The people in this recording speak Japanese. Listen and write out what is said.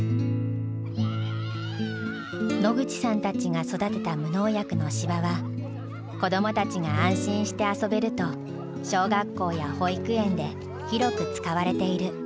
野口さんたちが育てた無農薬の芝は子どもたちが安心して遊べると小学校や保育園で広く使われている。